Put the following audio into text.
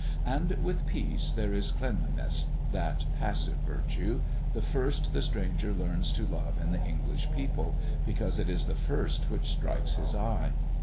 And with peace there is cleanliness, that passive virtue, the first the stranger learns to love in the English people, because it is the first which strikes his eye.